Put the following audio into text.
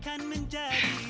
amin ya allah ya allah